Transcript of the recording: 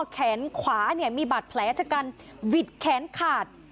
แขนขวาเนี่ยมีบาดแผลจากกันวิดแขนขาด